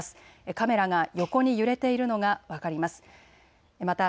カメラが横に揺れているのが分かります。